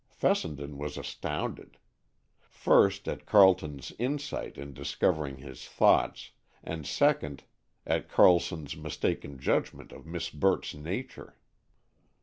Fessenden was astounded. First, at Carleton's insight in discovering his thoughts, and second, at Carleton's mistaken judgment of Miss Burt's nature.